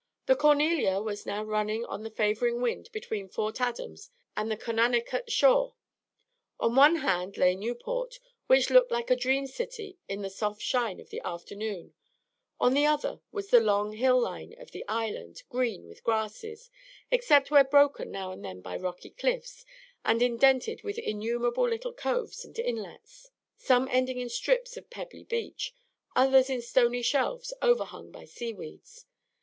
The "Cornelia" was now running on the favoring wind between Fort Adams and the Conanicut shore. On one hand lay Newport, which looked like a dream city in the soft shine of the afternoon; on the other was the long hill line of the island, green with grasses, except where broken now and then by rocky cliffs, and indented with innumerable little coves and inlets, some ending in strips of pebbly beach, others in stony shelves overhung by sea weeds.